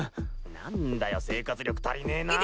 なんだよ生活力たりねえな。